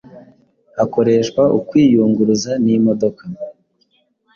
hakoreshwa ukwiyunguruza n’imodoka